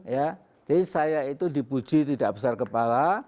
jadi saya itu dipuji tidak besar kepala